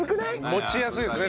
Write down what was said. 持ちやすいですね